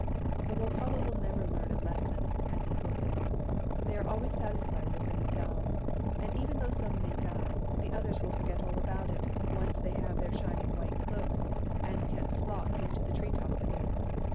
" The Wokala will never learn a lesson," answered Wildoo. " They are always satisfied with them selves : and even though some may die, the others will forget all about it, once they have their shining white cloaks and can flock into the tree tops again.